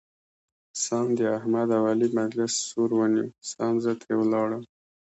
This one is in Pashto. سم د احمد او علي مجلس سور ونیو سم زه ترې ولاړم.